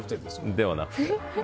ではなくて。